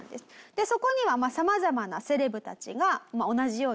でそこには様々なセレブたちが同じように招待されていたと。